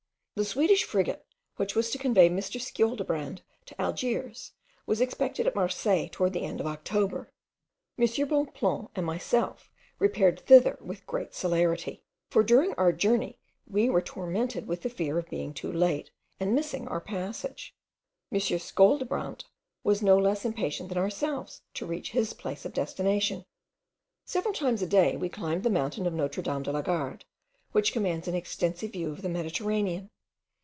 The Swedish frigate which was to convey M. Skioldebrand to Algiers, was expected at Marseilles toward the end of October. M. Bonpland and myself repaired thither with great celerity, for during our journey we were tormented with the fear of being too late, and missing our passage. M. Skioldebrand was no less impatient than ourselves to reach his place of destination. Several times a day we climbed the mountain of Notre Dame de la Garde, which commands an extensive view of the Mediterranean.